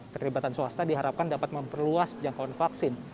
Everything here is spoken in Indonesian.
kelibatan swasta diharapkan dapat memperluas jangkauan vaksin